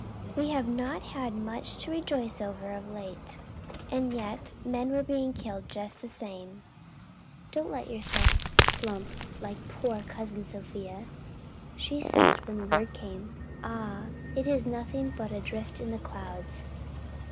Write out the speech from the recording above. "We have not had much to rejoice over of late and yet men were being killed just the same. Do not let yourself slump like poor Cousin Sophia. She said, when the word came, 'Ah, it is nothing but a rift in the clouds.